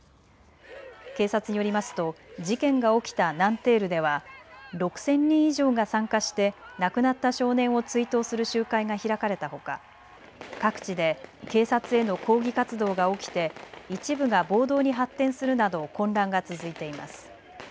警察によりますと事件が起きたナンテールでは６０００人以上が参加して亡くなった少年を追悼する集会が開かれたほか各地で警察への抗議活動が起きて一部が暴動に発展するなど混乱が続いています。